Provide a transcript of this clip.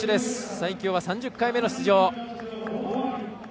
西京は３０回目の出場。